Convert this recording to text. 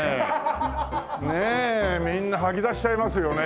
みんな吐き出しちゃいますよね。